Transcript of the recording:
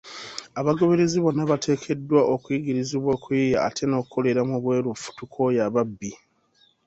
Abagoberezi bonna bateekeddwa okuyigirizibwa okuyiiya, ate n'okukolera mu bwerufu; tukooye ababbi.